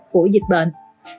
của dịch bệnh